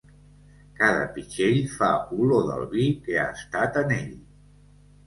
Cada pitxell fa olor del vi que ha estat en ell.